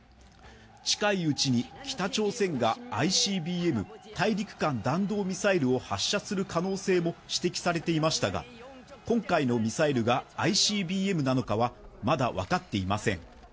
近いうちに北朝鮮がＩＣＢＭ＝大陸間弾道ミサイルを発射する可能性も指摘されていましたが、今回のミサイルがＩＣＢＭなのかは、まだ分かっていません。